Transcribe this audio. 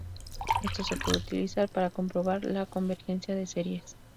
Esto se puede utilizar para comprobar la convergencia de series.